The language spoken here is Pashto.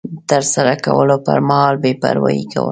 د ترسره کولو پر مهال بې پروایي کول